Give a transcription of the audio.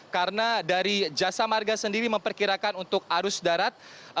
karena dari jasa marga sendiri memperkirakan untuk arus darat